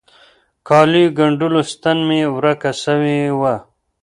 کاليو ګنډلو ستن مي ورکه سوي وه.